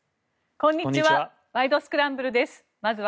こんにちは。